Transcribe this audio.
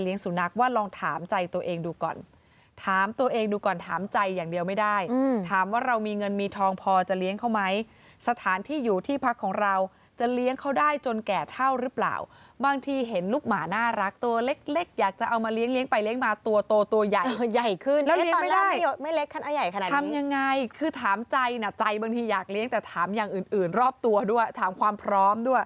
สุนัขว่าลองถามใจตัวเองดูก่อนถามตัวเองดูก่อนถามใจอย่างเดียวไม่ได้ถามว่าเรามีเงินมีทองพอจะเลี้ยงเขาไหมสถานที่อยู่ที่พักของเราจะเลี้ยงเขาได้จนแก่เท่าหรือเปล่าบางทีเห็นลูกหมาน่ารักตัวเล็กเล็กอยากจะเอามาเลี้ยงไปเลี้ยงมาตัวโตตัวใหญ่ตัวใหญ่ขึ้นแล้วเลี้ยงไม่ได้ไม่เล็กขนาดใหญ่ขนาดนี้ทำยังไงคือถามใจน่ะใจบางทีอยากเลี้ยงแต่ถามอย่างอื่นอื่นรอบตัวด้วยถามความพร้อมด้วย